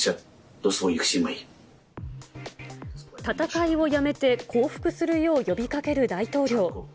戦いをやめて降伏するよう呼びかける大統領。